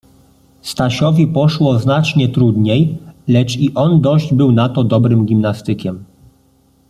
Stasiowi poszło znacznie trudniej, lecz i on dość był na to dobrym gimnastykiem.